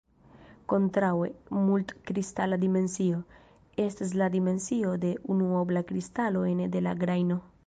Kontraŭe, "mult-kristala dimensio" estas la dimensio de unuobla kristalo ene de la grajno.